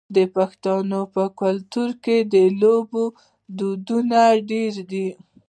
د پښتنو په کلتور کې د لوبو ډولونه ډیر دي.